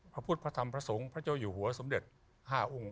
พระพุทธพระธรรมพระสงฆ์พระเจ้าอยู่หัวสมเด็จ๕องค์